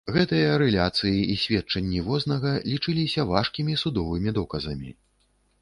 Гэтыя рэляцыі і сведчанні вознага лічыліся важкімі судовымі доказамі.